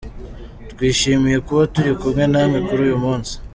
“Twishimiye kuba turi kumwe namwe kuri uyu munsi.